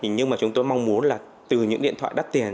nhưng mà chúng tôi mong muốn là từ những điện thoại đắt tiền